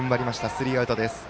スリーアウトです。